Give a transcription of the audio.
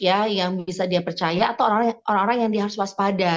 yang bisa dia percaya atau orang orang yang dia harus waspada